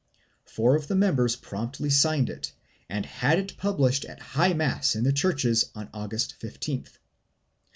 Four of the members promptly signed it and had it published at high mass in the churches on August 15th.